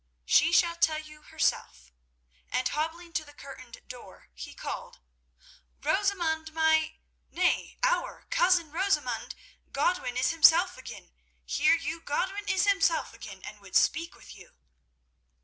"She shall tell you herself." And hobbling to the curtained door, he called, "Rosamund, my—nay, our—cousin Rosamund, Godwin is himself again. Hear you, Godwin is himself again, and would speak with you!"